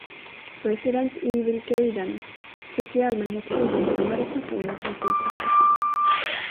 "Resident Evil Gaiden" fick i allmänhet ogynnsamma recensioner från kritiker.